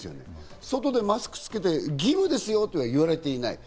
外でマスクつけて、義務ですよとは言われていない。